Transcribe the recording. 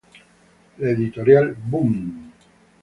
La editorial Boom!